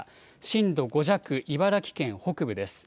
震度５弱、茨城県北部です。